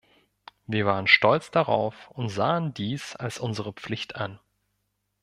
Wir waren stolz darauf und sahen dies als unsere Pflicht an.